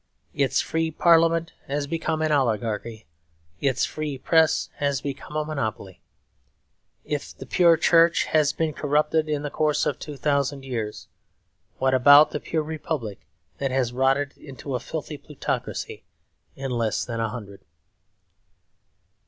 Its free parliament has become an oligarchy. Its free press has become a monopoly. If the pure Church has been corrupted in the course of two thousand years, what about the pure Republic that has rotted into a filthy plutocracy in less than a hundred?